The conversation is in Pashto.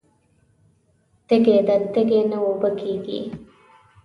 تږې ده تږې نه اوبه کیږي